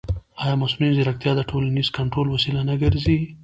ایا مصنوعي ځیرکتیا د ټولنیز کنټرول وسیله نه ګرځي؟